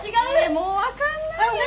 ・もう分かんないよ！